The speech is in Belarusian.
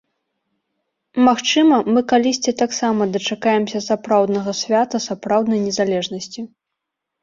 Магчыма, мы калісьці таксама дачакаемся сапраўднага свята сапраўднай незалежнасці.